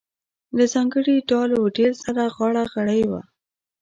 له ځانګړي ډال و ډیل سره غاړه غړۍ وه.